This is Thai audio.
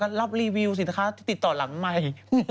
ก็รับรีวิวสินค้าที่ติดต่อหลังใหม่